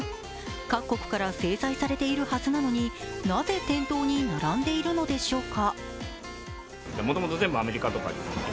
各国から制裁されているはずなのに、なぜ店頭に並んでいるのでしょうか。